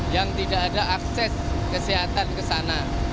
yang tidak ada akses kesehatan ke sana